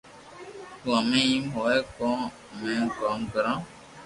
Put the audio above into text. تو ھمي ايم ھوئي ڪو امو ڪوم ڪرو